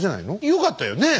よかったよねえ？